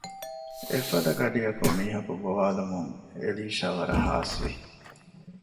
އެފަދަ ގަޑިއަކު މީހަކު ގޮވާލުމުން އެލީޝާ ވަރަށް ހާސްވި